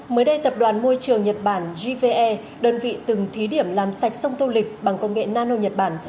mới đây tập đoàn môi trường nhật bản gve đơn vị từng thí điểm làm sạch sông tô lịch bằng công nghệ nano nhật bản